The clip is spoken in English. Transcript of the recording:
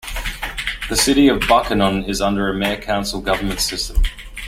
The City of Buckhannon is under a Mayor-council government system.